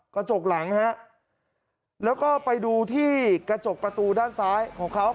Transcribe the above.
กระจกหลังฮะแล้วก็ไปดูที่กระจกประตูด้านซ้ายของเขา